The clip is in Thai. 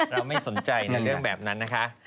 เราไม่สนใจในเรื่องแบบนั้นนะคะ